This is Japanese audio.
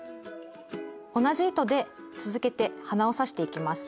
同じ糸で続けて鼻を刺していきます。